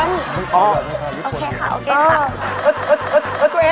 โอเคค่ะโอเคค่ะ